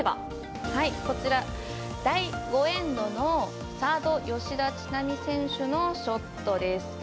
こちら第５エンドのサード吉田知那美選手のショットです。